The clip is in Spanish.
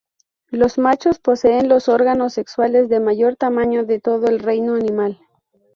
Los machos poseen los órganos sexuales de mayor tamaño de todo el reino animal.